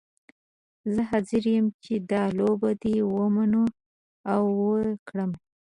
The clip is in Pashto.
زه حاضره یم چې دا لوبه دې ومنم او وکړم.